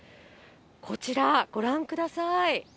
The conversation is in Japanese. こちら、ご覧ください。